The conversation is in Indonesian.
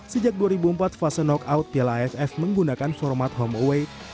sejak dua ribu empat fase knockout piala aff menggunakan format home away